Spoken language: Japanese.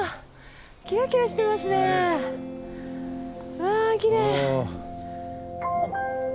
うわきれい。